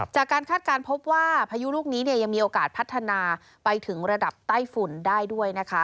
คาดการณ์พบว่าพายุลูกนี้ยังมีโอกาสพัฒนาไปถึงระดับใต้ฝุ่นได้ด้วยนะคะ